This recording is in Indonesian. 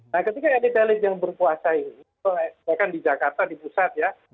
nah ketika elit elit yang berkuasa ini bahkan di jakarta di pusat ya